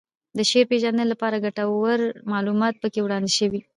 د شعر پېژندنې لپاره ګټور معلومات پکې وړاندې شوي